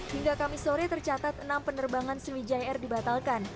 hingga kamisore tercatat enam penerbangan sriwijaya air dibatalkan